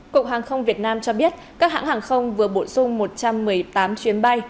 cục hàng không việt nam cho biết các hãng hàng không vừa bổ sung một trăm một mươi tám chuyến bay